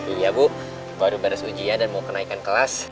iya bu baru beres ujian dan mau kenaikan kelas